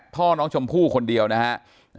พ่อน้องชมพู่คนเดียวนะครับ